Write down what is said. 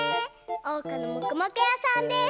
おうかの「もくもくやさん」です。